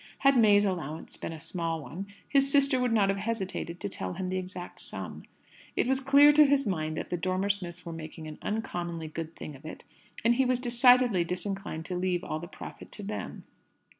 Had May's allowance been a small one, his sister would not have hesitated to tell him the exact sum. It was clear to his mind that the Dormer Smiths were making an uncommonly good thing of it, and he was decidedly disinclined to leave all the profit to them.